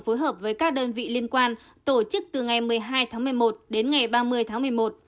phối hợp với các đơn vị liên quan tổ chức từ ngày một mươi hai tháng một mươi một đến ngày ba mươi tháng một mươi một